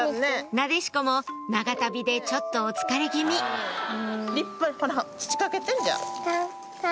なでしこも長旅でちょっとお疲れ気味土かけてじゃあ。